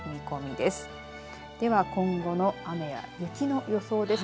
では今後の雨や雪の予想です。